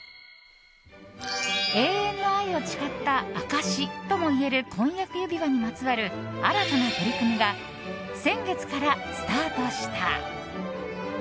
永遠の愛を誓った証しともいえる婚約指輪にまつわる新たな取り組みが先月からスタートした。